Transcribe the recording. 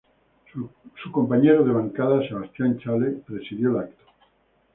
Su compañero de bancada Sebastián Chale presidió el acto.